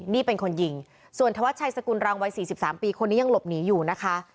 นี่เป็นคนยิงส่วนธวัชชัยสกุลรังวัย๔๓ปีคนนี้ยังหลบหนีอยู่นะคะ